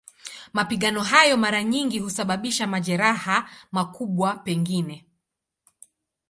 Mapigano hayo mara nyingi husababisha majeraha, makubwa pengine.